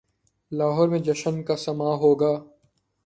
لاہور میں جشن کا سماں ہو گا۔